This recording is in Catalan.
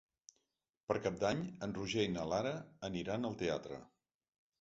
Per Cap d'Any en Roger i na Lara aniran al teatre.